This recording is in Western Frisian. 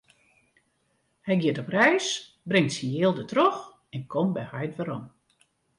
Hy giet op reis, bringt syn jild dertroch en komt by heit werom.